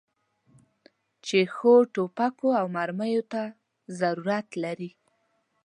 چې ښو توپکو او مرمیو ته ضرورت لري.